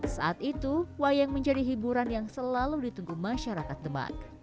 saat itu wayang menjadi hiburan yang selalu ditunggu masyarakat demak